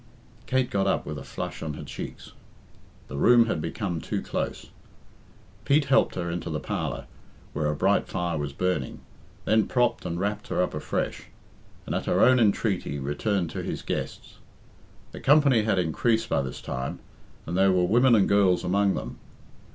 Kate got up with a flush on her cheeks. The room had become too close. Pete helped her into the parlour, where a bright fire was burning, then propped and wrapped her up afresh, and, at her own entreaty, returned to his guests. The company had increased by this time, and there were women and girls among them.